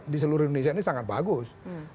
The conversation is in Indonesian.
di seluruh indonesia ini sangat bagus